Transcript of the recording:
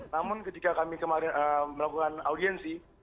namun ketika kami kemarin melakukan audiensi